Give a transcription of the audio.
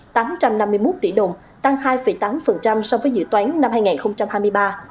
bốn trăm tám mươi hai tám trăm năm mươi một tỷ đồng tăng hai tám so với dự toán năm hai nghìn hai mươi ba